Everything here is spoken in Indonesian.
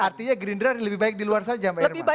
artinya gerindra lebih baik di luar saja